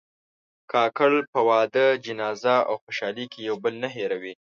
کاکړ په واده، جنازه او خوشحالۍ کې یو بل نه هېروي.